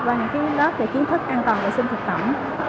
về kiến thức an toàn vệ sinh thực phẩm